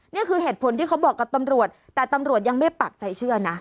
นี่คือเหตุผลที่เขาบอกกับตำรวจแต่ตำรวจยังไม่ปักใจเชื่อนะ